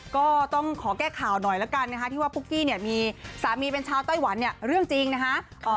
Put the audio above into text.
ก็ต้องขอแก้ข่าวหน่อยละกันที่ว่าปุ๊กกี้มีสามีเป็นชาวไต้หวันเรื่องจริงนะคะ